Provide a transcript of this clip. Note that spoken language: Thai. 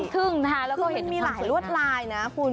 คือมีหลายรวดลายนะคุณ